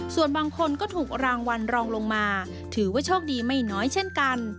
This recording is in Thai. ส่วนบางคนก็ถูกรางวัลรองลงมาถือว่าโชคดีไม่น้อยเช่นกัน